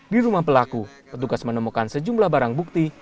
di rumah pelaku petugas menemukan sejumlah barang bukti